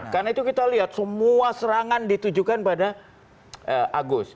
karena itu kita lihat semua serangan ditujukan pada agus